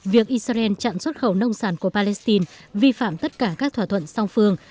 việc israel chặn xuất khẩu nông sản của palestine vi phạm tất cả các thỏa thuận song phương